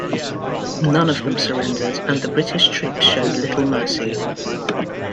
None of them surrendered, and the British troops showed little mercy.